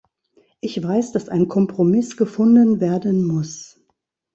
Ich weiß, dass ein Kompromiss gefunden werden muss.